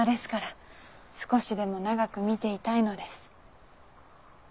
少しでも長く見ていたいのです。